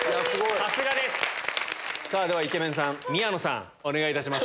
さすがです！ではイケメンさん宮野さんお願いいたします。